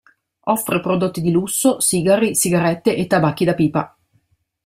Offre prodotti di lusso, sigari, sigarette e tabacchi da pipa.